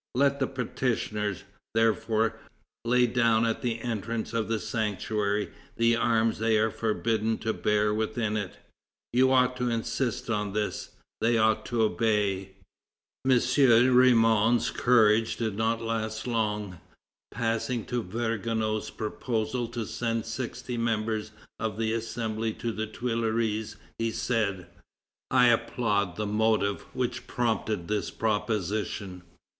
Let the petitioners, therefore, lay down at the entrance of the sanctuary the arms they are forbidden to bear within it. You ought to insist on this. They ought to obey." M. Ramond's courage did not last long. Passing to Vergniaud's proposal to send sixty members of the Assembly to the Tuileries, he said: "I applaud the motive which prompted this proposition.